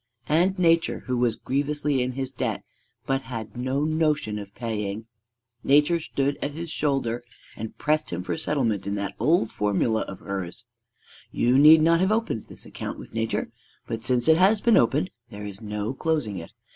And Nature, who was grievously in his debt but had no notion of paying, Nature stood at his shoulder and pressed him for settlement in that old formula of hers: you need not have opened this account with Nature, but since it has been opened, there is no closing it.